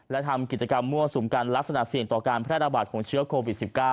และทำกิจกรรมมั่วสุมกันลักษณะเสี่ยงต่อการแพร่ระบาดของเชื้อโควิด๑๙